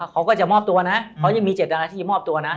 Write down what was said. เขาก็จะมอบตัวนะเขายังมีเจตนาที่จะมอบตัวนะ